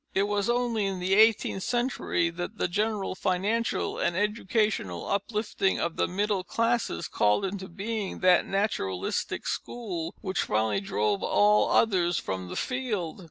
It was only in the eighteenth century that the general financial and educational uplifting of the middle classes called into being that naturalist school which finally drove all others from the field.